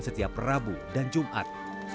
setiap rabu dan jumat